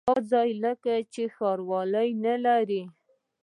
دا ځای لکه چې ښاروالي نه لري.